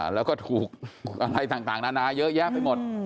แล้วก็ถูกอะไรต่างนานาเยอะแยะไปหมด